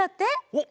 おっ！